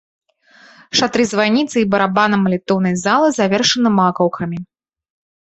Шатры званіцы і барабана малітоўнай залы завершаны макаўкамі.